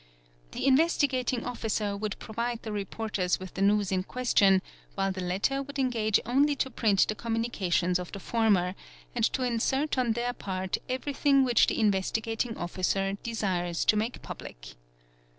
The Investigating Officer would provide the reporter | HH SPHERE OF THE PRESS 293 with the news in question while the latter would engage only to print the communications of the former, and to insert on their part everything which the Investigating Officer desires to make public.